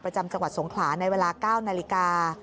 จังหวัดสงขลาในเวลา๙นาฬิกา